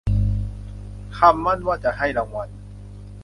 คำมั่นว่าจะให้รางวัล